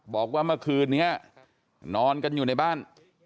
บอกว่าเมื่อคืนนี้นอนกันอยู่ในบ้าน